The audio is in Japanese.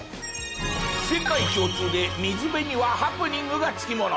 世界共通で水辺にはハプニングがつきもの。